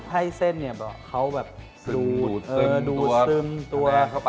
ให้เส้นเขาดูดซึมตัว